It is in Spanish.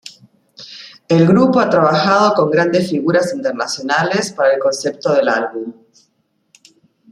El grupo ha trabajado con grandes figuras internacionales para el concepto del álbum.